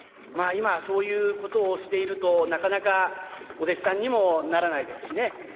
まあ今はそういうことをしているとなかなかお弟子さんにもならないですしね。